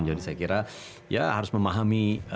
jadi saya kira ya harus memahami